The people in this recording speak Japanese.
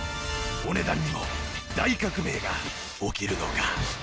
お値段にも大革命が起きるのか？